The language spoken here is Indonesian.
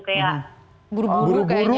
kayak buru buru kayaknya